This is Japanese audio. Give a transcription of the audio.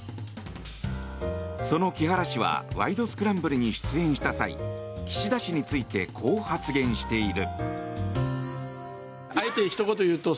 その木原氏は「ワイド！スクランブル」に出演した際岸田氏についてこう発言している。